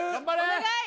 お願い！